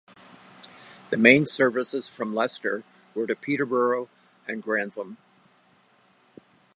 The main services from Leicester were to Peterborough and Grantham.